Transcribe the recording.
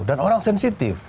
dan orang sensitif